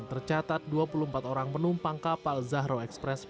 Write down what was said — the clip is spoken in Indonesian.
tercatat dua puluh empat orang penumpang kapal zahro express